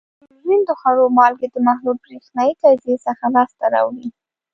کلورین د خوړو مالګې د محلول برېښنايي تجزیې څخه لاس ته راوړي.